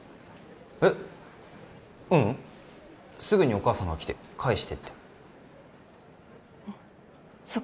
えっううんすぐにお母さんが来て返してってそっ